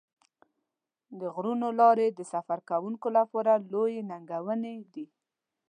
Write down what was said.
د غرونو لارې د سفر کوونکو لپاره لویې ننګونې دي.